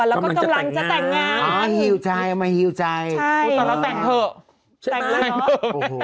แล้วก็กำลังจะแต่งงานอ๋อฮิวใจมาฮิวใจอ๋อตอนนั้นแต่งเถอะแต่งอะไรเถอะ